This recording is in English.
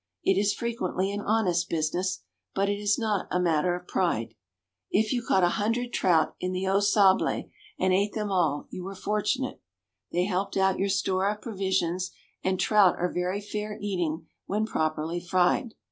It is frequently an honest business. But it is not a matter of pride. If you caught a hundred trout in the Au Sable and ate them all you were fortunate. They helped out your store of provisions, and trout are very fair eating when properly fried.